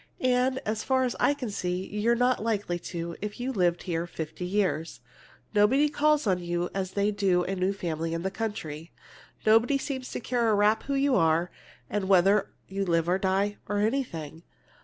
And as far as I can see, you're not likely to if you lived here fifty years! Nobody calls on you as they do on a new family in the country. Nobody seems to care a rap who you are, or whether you live or die, or anything.